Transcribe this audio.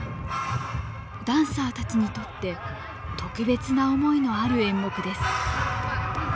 ダンサーたちにとって特別な思いのある演目です。